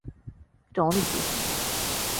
এটা অনেক বেশি।